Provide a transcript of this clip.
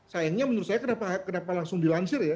sayangnya menurut saya kenapa langsung dilansir ya